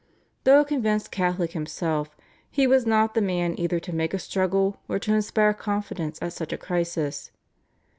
Though a convinced Catholic himself, he was not the man either to make a struggle or to inspire confidence at such a crisis.